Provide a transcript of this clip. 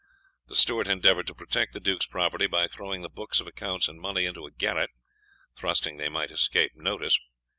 The Steward endeavoured to protect the Duke's property by throwing the books of accounts and money into a garret, trusting they might escape notice.